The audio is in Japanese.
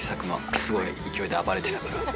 すごい勢いで暴れてたから。